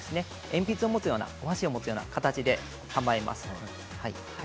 鉛筆を持つようなお箸を持つような形で構えます。